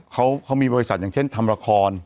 เขามีบริษัทอย่างเช่นทำละคร